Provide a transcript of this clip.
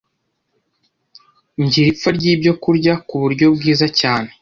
Ngira ipfa ry’ibyokurya ku buryo bwiza cyane